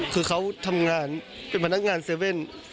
คือเขาเตรียมงานเป็นหกนักงานเซเว่น